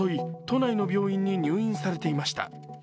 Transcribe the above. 都内の病院に入院されていました。